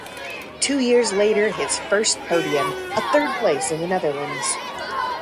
Two years later, his first podium: a third place in the Netherlands.